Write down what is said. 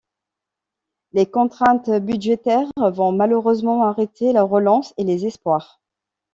Les contraintes budgétaires vont malheureusement arrêter la relance et les espoirs.